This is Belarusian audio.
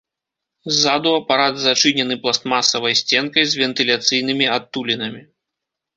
Ззаду апарат зачынены пластмасавай сценкай з вентыляцыйнымі адтулінамі.